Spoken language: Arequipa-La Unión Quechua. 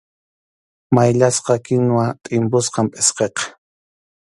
Mayllasqa kinwa tʼimpusqam pʼsqiqa.